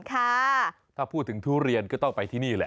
ถ้าพูดถึงทุเรียนก็ต้องไปที่นี่แหละ